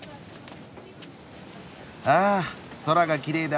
あ空がきれいだ。